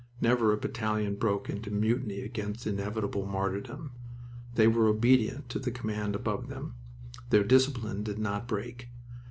Never a battalion broke into mutiny against inevitable martyrdom. They were obedient to the command above them. Their discipline did not break.